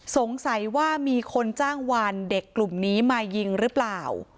สงสัยว่ามีคนจ้างวานเด็กกลุ่มนี้มายิงหรือเปล่า